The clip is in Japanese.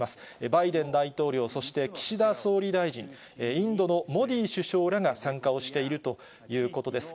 バイデン大統領、そして岸田総理大臣、インドのモディ首相らが参加をしているということです。